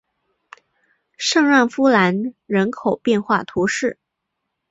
圣让夫兰人口变化图示